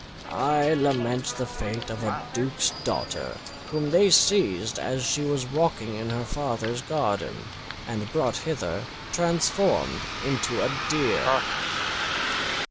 I lament the fate of a duke's daughter, whom they seized as she was walking in her father's garden, and brought hither transformed into a deer."